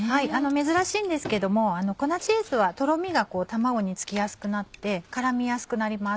珍しいんですけども粉チーズはとろみが卵につきやすくなって絡みやすくなります。